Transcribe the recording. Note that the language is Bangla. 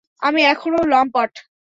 আমি এখনো লম্পট।